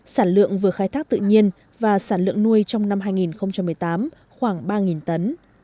sản lượng vừa khai thác tự nhiên và sản lượng nuôi trong năm hai nghìn một mươi tám khoảng ba tấn